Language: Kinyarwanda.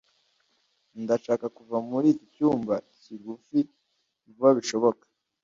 Ndashaka kuva muri iki cyumba kigufi vuba bishoboka.